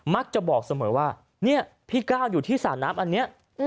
จะบอกเสมอว่าเนี่ยพี่ก้าวอยู่ที่สระน้ำอันนี้